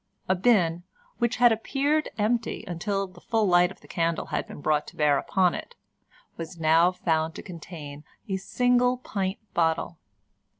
A bin, which had appeared empty until the full light of the candle had been brought to bear upon it, was now found to contain a single pint bottle.